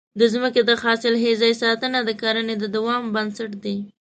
د ځمکې د حاصلخېزۍ ساتنه د کرنې د دوام بنسټ دی.